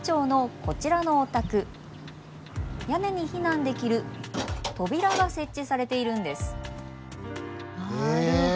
屋根に避難できる扉が設置されているんです。